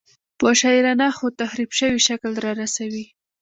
په شاعرانه خو تحریف شوي شکل رارسوي.